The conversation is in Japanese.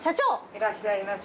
いらっしゃいませ。